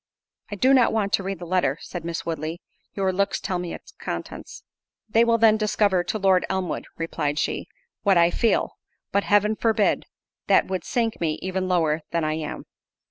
"I do not want to read the letter," said Miss Woodley; "your looks tell me its contents." "They will then discover to Lord Elmwood," replied she, "what I feel; but Heaven forbid—that would sink me even lower than I am."